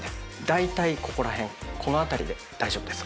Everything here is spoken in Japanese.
だいたいここら辺この辺りで大丈夫です。